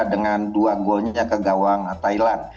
dengan dua golnya ke gawang thailand